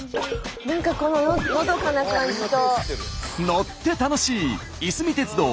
何かこののどかな感じと。